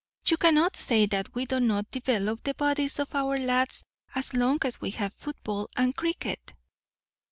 "You cannot say that we do not develop the bodies of our lads as long as we have football and cricket."